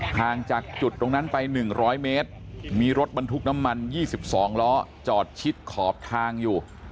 ห่างจากจุดตรงนั้นไป๑๐๐เมตรมีรถบรรทุกน้ำมัน๒๒ล้อจอดชิดขอบทางอยู่